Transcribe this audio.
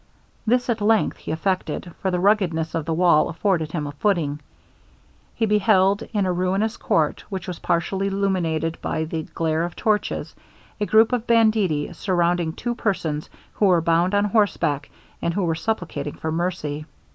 This at length he effected, for the ruggedness of the wall afforded him a footing. He beheld in a ruinous court, which was partially illuminated by the glare of torches, a group of banditti surrounding two persons who were bound on horseback, and who were supplicating for mercy.